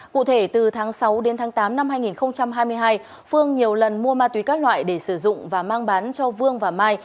cụ thể từ tháng sáu đến tháng tám năm hai nghìn hai mươi hai phương nhiều lần mua ma túy các loại để sử dụng và mang bán cho vương và mai